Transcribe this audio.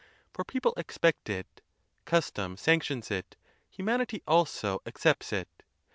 For people expect it ; custom sanctions it ; humanity also accepts it.